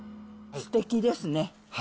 すてきですね。